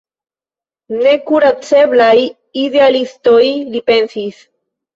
Nekuraceblaj idealistoj, li pensis.